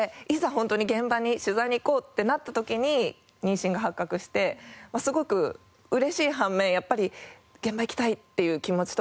本当に現場に取材に行こうってなった時に妊娠が発覚してすごく嬉しい反面やっぱり現場行きたいっていう気持ちとかがあって。